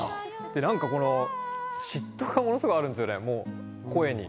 なんか、嫉妬がものすごいあるんですよね、声に。